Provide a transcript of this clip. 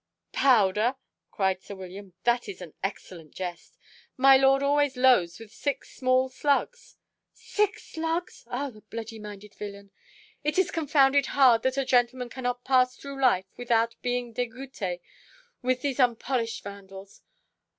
"Powder," cried sir William, "that is an excellent jest. My lord always loads with six small slugs." "Six slugs! ah the bloody minded villain! It is confounded hard that a gentleman cannot pass through life, without being degoutè with these unpolished Vandals.